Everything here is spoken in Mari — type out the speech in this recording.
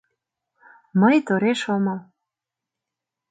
— Мый тореш омыл.